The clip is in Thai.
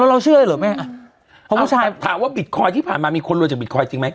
แล้วเราเชื่อหรือไหมอ่ะเพราะผู้ชายถามว่าบิตคอยน์ที่ผ่านมามีคนรวยจากบิตคอยน์จริงไหม